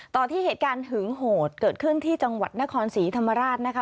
ต่อที่เหตุการณ์หึงโหดเกิดขึ้นที่จังหวัดนครศรีธรรมราชนะคะ